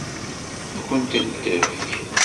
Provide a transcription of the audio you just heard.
Ad kent-t-tefk?